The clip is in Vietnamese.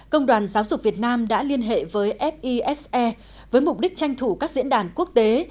công đoàn giáo dục việt nam đã liên hệ với fise với mục đích tranh thủ các diễn đàn quốc tế